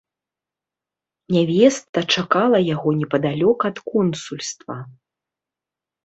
Нявеста чакала яго непадалёк ад консульства.